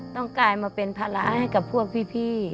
กลายมาเป็นภาระให้กับพวกพี่